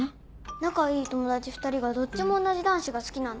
仲いい友達２人がどっちも同じ男子が好きなの。